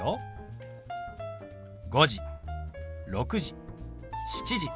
「５時」「６時」「７時」。